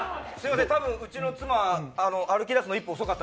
多分うちの妻、歩きだすの一歩遅かった。